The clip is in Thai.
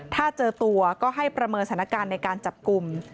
ถ้าเจอตัวก็ให้ประเมินสถานการณ์ในการจับกลุ่ม